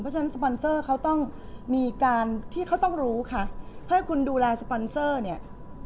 เพราะฉะนั้นสปอนเซอร์เขาต้องมีการที่เขาต้องรู้ค่ะเพื่อให้คุณดูแลสปอนเซอร์เนี่ย